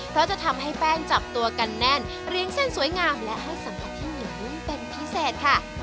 เพราะจะทำให้แป้งจับตัวกันแน่นเรียงเส้นสวยงามและให้สัมผัสที่เหนียวนุ่มเป็นพิเศษค่ะ